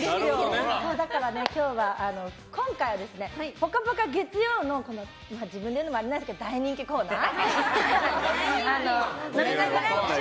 だから、今回は「ぽかぽか」月曜の自分で言うのもあれなんですけど大人気コーナー？